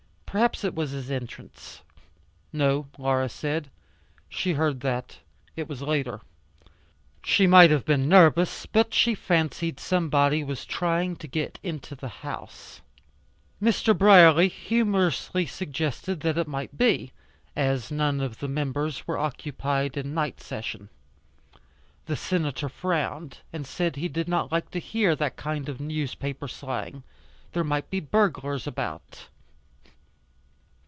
Perhaps it was his entrance. No, Laura said. She heard that. It was later. She might have been nervous, but she fancied somebody was trying to get into the house. Mr. Brierly humorously suggested that it might be, as none of the members were occupied in night session. The Senator frowned, and said he did not like to hear that kind of newspaper slang. There might be burglars about.